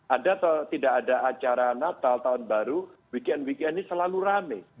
ada atau tidak ada acara natal tahun baru weekend weekend ini selalu rame